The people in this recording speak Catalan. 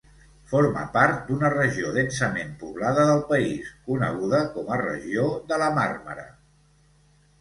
Forma part d'una regió densament poblada del país, coneguda com a Regió de la Màrmara.